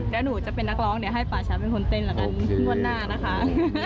แล้วหนูจะเป็นนักร้องเดี๋ยวให้ป่าช้าเป็นคนเต้นละกันงวดหน้านะคะ